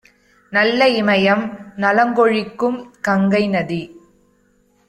நல்ல இமயம், நலங்கொழிக்கும் கங்கைநதி